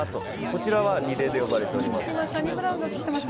こちらはリレーで呼ばれております。